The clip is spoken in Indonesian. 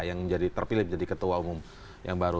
yang terpilih menjadi ketua umum yang baru